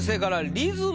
リズム？